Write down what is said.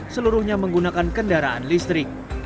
seluruhnya menggunakan kendaraan listrik